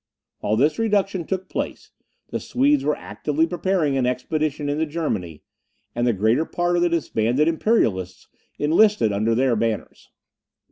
While this reduction took place, the Swedes were actively preparing an expedition into Germany, and the greater part of the disbanded Imperialists enlisted under their banners.